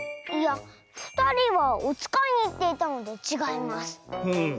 いやふたりはおつかいにいっていたのでちがいます。